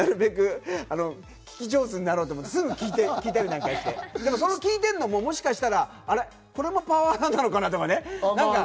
俺はなるべく聞き上手になろうと思って、すぐ聞いたりなんかして、聞いてるのももしかしたら、これもパワハラなのかなとか。